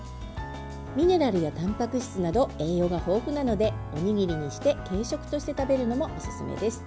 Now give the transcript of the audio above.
ミネラルやたんぱく質など栄養が豊富なのでおにぎりにして軽食として食べるのもおすすめです。